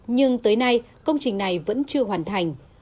nhưng tới nay công trình này vẫn chưa hoàn thành